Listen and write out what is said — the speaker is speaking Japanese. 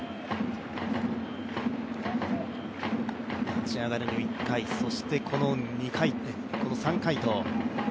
立ち上がりの１回、そして２回、３回と。